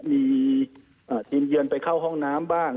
มีทีมเยือนไปเข้าห้องน้ำบ้าง